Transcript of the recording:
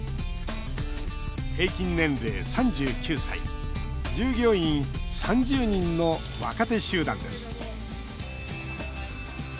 平均年齢３９歳従業員３０人の若手集団です。